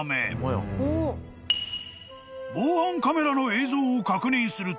［防犯カメラの映像を確認すると］